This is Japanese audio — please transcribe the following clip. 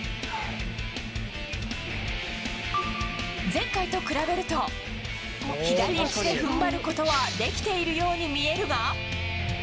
前回と比べると、左足でふんばることはできているように見えるが。